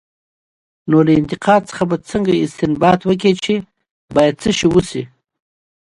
نو له انتقاد څخه به څنګه استنباط وکړي، چې باید څه وشي؟